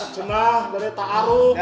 jenah dari takaruk